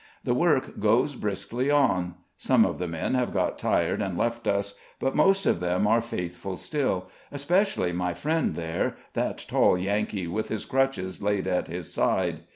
The work goes briskly on; some of the men have got tired and left us, but most of them are faithful still, especially my friend there, that tall Yankee, with his crutches laid at his side.